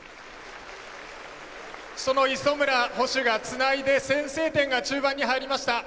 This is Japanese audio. その磯村捕手がつないで先制点が中盤に入りました。